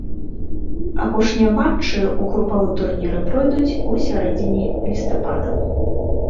Апошнія матчы ў групавым турніры пройдуць у сярэдзіне лістапада.